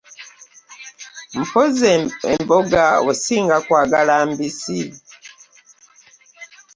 Mpozzi emboga osinga kwagala mbisi?